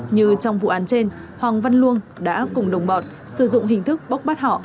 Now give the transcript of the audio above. như trong vụ án trên hoàng văn luông đã cùng đồng bọn sử dụng hình thức bốc bắt họ